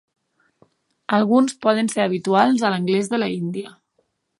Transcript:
Alguns poden ser habituals a l"anglès de la Índia.